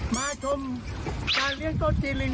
มาชมการเลี้ยงโต๊ะจีนลิง